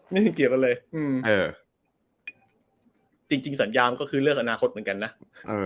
ไม่เกี่ยวกันเลยอืมเออจริงจริงสัญญามันก็คือเรื่องอนาคตเหมือนกันนะเออ